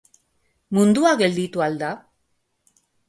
Mundua gelditu al da?